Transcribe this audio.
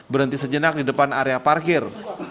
berhenti sejenak di depan area parkir